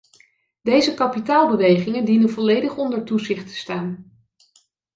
Deze kapitaalbewegingen dienen volledig onder toezicht te staan.